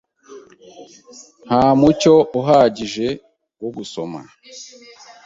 Nta mucyo uhagije wo gusoma.